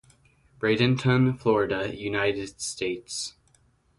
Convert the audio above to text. Bradenton, Florida, United States.